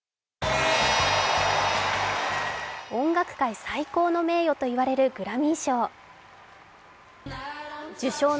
音楽界最高の名誉と言われるグラミー賞。